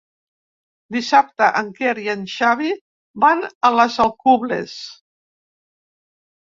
Dissabte en Quer i en Xavi van a les Alcubles.